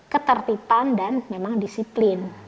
ketertiban dan memang disiplin